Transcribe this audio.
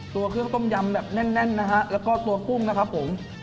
ตัวเครื่องต้มย่ำแน่นนะฮะและก็กุ้งนะครับผม